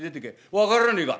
分からねえか？